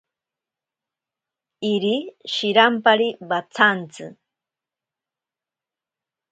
Iri shirampari watsanti.